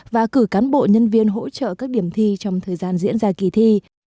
và cử cán bộ nhân viên hỗ trợ các điểm thi trong thời gian diễn ra kỳ thi